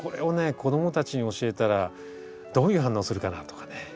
子供たちに教えたらどういう反応するかなとかね。